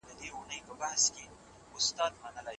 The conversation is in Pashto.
ښه عادت ژوند اسانه کوي